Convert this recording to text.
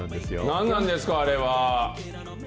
何なんですか、あれは？